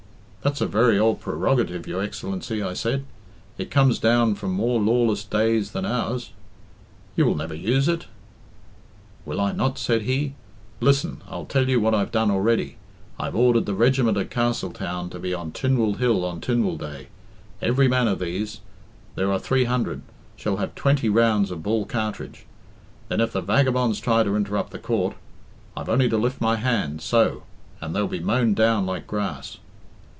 'That's a very old prerogative, your Excellency,' I said; 'it comes down from more lawless days than ours. You will never use it.' 'Will I not?' said he. 'Listen, I'll tell you what I've done already. I've ordered the regiment at Castletown to be on Tynwald Hill on Tynwald day. Every man of these there are three hundred shall have twenty rounds of ball cartridge. Then, if the vagabonds try to interrupt the Court, I've only to lift my hand so and they'll be mown down like grass.'